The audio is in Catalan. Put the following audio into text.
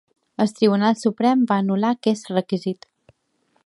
El Tribunal Suprem va anul·lar aquest requisit.